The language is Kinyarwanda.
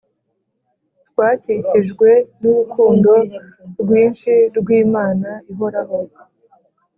Twakijijwe nu urukundo rwinshi rwi Imana ihoraho